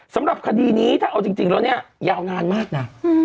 สำหรับคดีนี้ถ้าเอาจริงแล้วเนี่ยยาวนานมากนะ